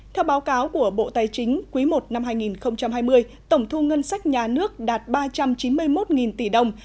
theo báo cáo của bộ tài chính quý i năm hai nghìn hai mươi tổng thu ngân sách nhà nước đạt ba trăm chín mươi một tỷ đồng